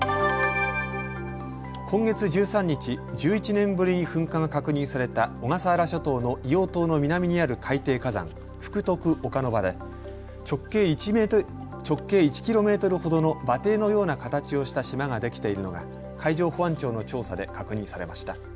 今月１３日、１１年ぶりに噴火が確認された小笠原諸島の硫黄島の南にある海底火山、福徳岡ノ場で直径１ｋｍほどの馬ていのような形をした島ができているのが海上保安庁の調査で確認されました。